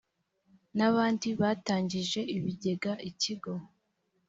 n abandi batangije ibigega ikigo